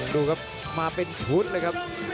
ดูครับมาเป็นชุดเลยครับ